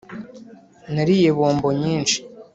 Nariye bombo nyinshi